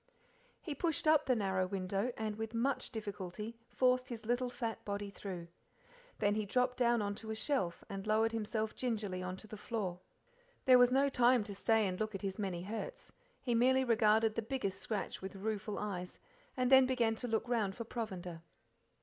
He pushed up the narrow window, and with much difficulty forced his little fat body through. Then he dropped down on to a shelf, and lowered himself gingerly on to the floor. There was no time to stay to look at his many hurts, he merely regarded the biggest scratch with rueful eyes, and then began to look around for provender.